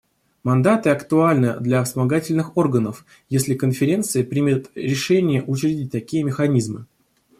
Мандаты актуальны для вспомогательных органов, если Конференция примет решение учредить такие механизмы.